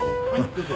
どうぞ。